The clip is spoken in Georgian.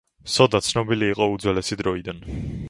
სოდა ცნობილი იყო უძველესი დროიდან.